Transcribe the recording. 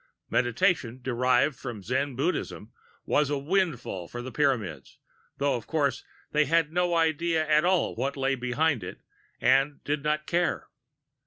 Meditation derived from Zen Buddhism was a windfall for the Pyramids, though, of course, they had no idea at all of what lay behind it and did not "care."